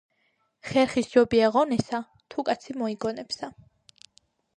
,, ხერხი სჯობია ღონესა თუ კაცი მოიგონებსა''.